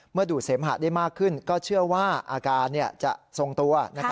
ดูดเสมหะได้มากขึ้นก็เชื่อว่าอาการจะทรงตัว